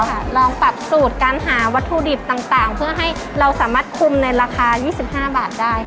ลองปรับสูตรการหาวัตถุดิบต่างเพื่อให้เราสามารถคุมในราคา๒๕บาทได้